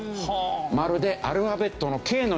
まるでアルファベットのＫのようだ。